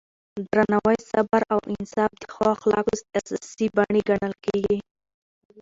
درناوی، صبر او انصاف د ښو اخلاقو اساسي بڼې ګڼل کېږي.